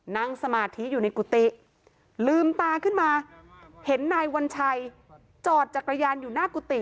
นั่งสมาธิอยู่ในกุฏิลืมตาขึ้นมาเห็นนายวัญชัยจอดจักรยานอยู่หน้ากุฏิ